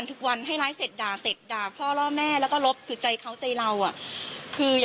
ถ้ามีอย่างมาฟ้องดีฉันได้เลย